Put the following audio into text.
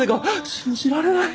信じられない！